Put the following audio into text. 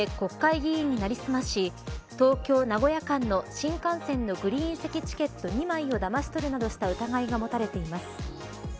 山下容疑者は、先月２７日東京駅で国会議員になりすまし東京、名古屋間の新幹線のグリーン席チケット２枚をだまし取るなどした疑いが持たれています。